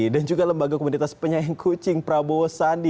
dan juga lembaga komunitas penyayang kucing prabowo sandi